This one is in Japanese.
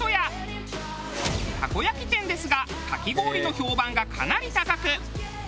たこ焼き店ですがかき氷の評判がかなり高く。